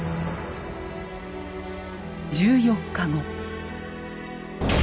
１４日後。